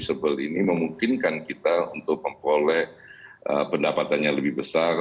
jadi non serviceable menjadi serviceable ini memungkinkan kita untuk memperoleh pendapatannya lebih besar